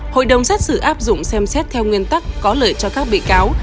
hội đồng xét xử áp dụng xem xét theo nguyên tắc có lợi cho các bị cáo